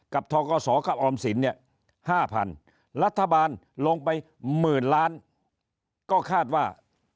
ทกศกับออมสินเนี่ย๕๐๐รัฐบาลลงไปหมื่นล้านก็คาดว่า